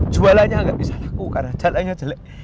jualannya nggak bisa laku karena jalannya jelek